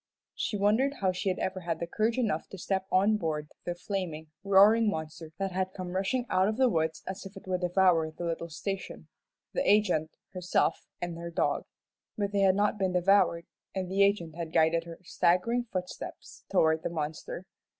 She wondered how she had ever had courage enough to step on board the flaming, roaring monster that had come rushing out of the woods as if it would devour the little station, the agent, herself, and her dog. But they had not been devoured, and the agent had guided her staggering footsteps toward the monster.